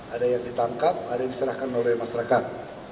ada yang ditangkap ada yang diserahkan oleh masyarakat